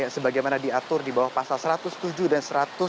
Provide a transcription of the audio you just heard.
sebagaimana diatur di bawah pasal satu ratus tujuh dan satu ratus enam puluh